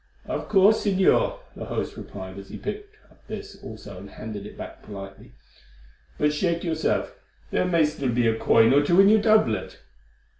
"Of course, Señor," the host replied as he picked this up also and handed it back politely, "but shake yourself, there may still be a coin or two in your doublet."